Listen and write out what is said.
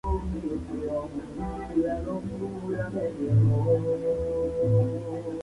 Las noticias del descubrimiento fueron entregadas a Jacques Cassini en París.